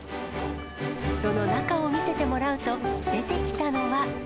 その中を見せてもらうと、出てきたのは。